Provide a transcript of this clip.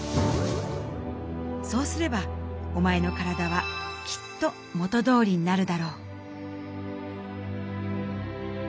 そうすればおまえの体はきっと元どおりになるだろう」。